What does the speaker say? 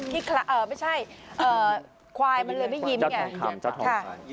ไม่ใช่ควายมันเลยไม่ยิ้มไง